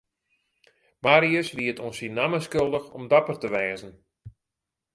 Marius wie it oan syn namme skuldich om dapper te wêze.